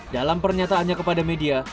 dalam pernyataannya kepada media